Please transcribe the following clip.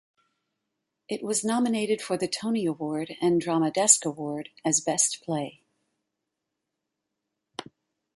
It was nominated for the Tony Award and Drama Desk Award as Best Play.